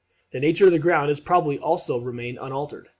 The nature of the ground has probably also remained unaltered.